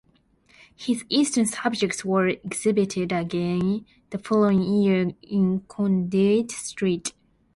His Eastern subjects were exhibited again the following year in Conduit Street.